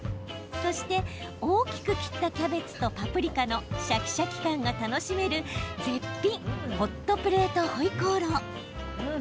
そして、大きく切ったキャベツとパプリカのシャキシャキ感が楽しめる絶品ホットプレートホイコーロー。